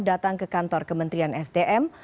datang ke kantor kementerian sdm